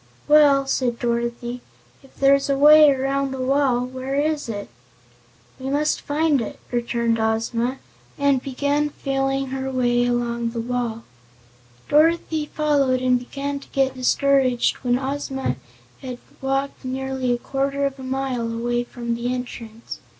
"Well," said Dorothy, "if there's a way around the wall, where is it?" "We must find it," returned Ozma, and began feeling her way along the wall. Dorothy followed and began to get discouraged when Ozma had walked nearly a quarter of a mile away from the entrance.